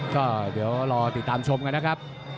ก็เดี๋ยวรอติดตามชมกันนะครับ